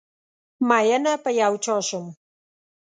ميېنه په یو چا شم